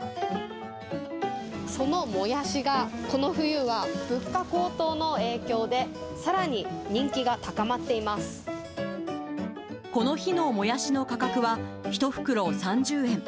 そのもやしが、この冬は物価高騰の影響で、この日のもやしの価格は、１袋３０円。